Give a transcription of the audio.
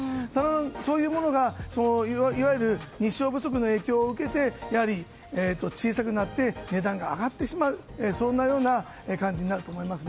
そういうものがいわゆる日照不足の影響を受けて小さくなって値段が上がってしまうそんなような感じになると思います。